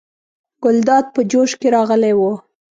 ګلداد په جوش کې راغلی و.